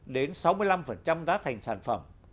giá thành sản phẩm